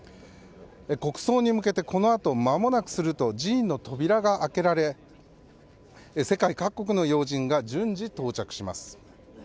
国葬に向けてこのあと、まもなくすると寺院の扉が開けられ世界各国の要人が順次到着します。